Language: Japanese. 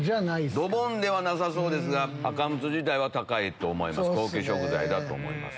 ドボンではなさそうですがアカムツ自体は高いと思います